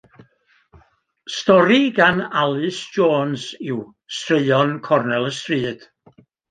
Stori gan Alys Jones yw Straeon Cornel y Stryd.